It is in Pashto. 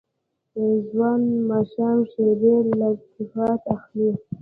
ځوان ماښام شیبې د لطافت اخلي